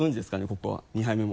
ここは２杯目も。